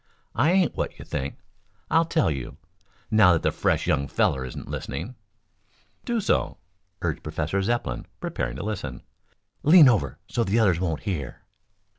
I ain't what you think. I'll tell you, now that the fresh young feller isn't listening." "Do so," urged Professor Zepplin, preparing to listen. "Lean over so the others won't hear."